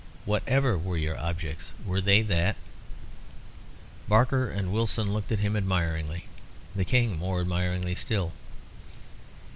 Whatever were your objects, were they that?" Barker and Wilson looked at him admiringly; the King more admiringly still.